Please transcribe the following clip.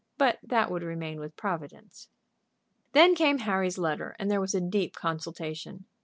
But that would remain with Providence. Then came Harry's letter, and there was a deep consultation.